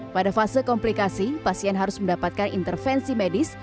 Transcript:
pada fase komplikasi pasien harus mendapatkan intervensi medis